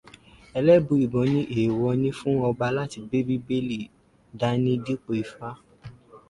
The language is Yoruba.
Ẹlẹ́bùúbọn ní èèwọ̀ ni fún ọba láti gbé Bíbélì dání dípò ifá.